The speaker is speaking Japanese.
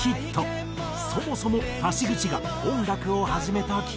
そもそも橋口が音楽を始めたきっかけは？